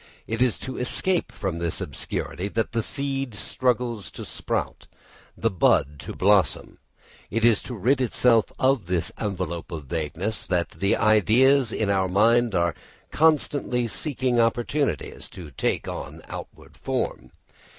It is to escape from this obscurity that the seed struggles to sprout, the bud to blossom. It is to rid itself of this envelope of vagueness that the ideas in our mind are constantly seeking opportunities to take on outward form.